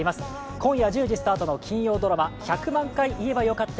今夜１０時スタートの金曜ドラマ「１００万回言えばよかった」